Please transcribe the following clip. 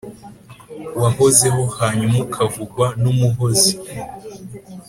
wahozeho, hanyuma ukavugwa n’umuhozi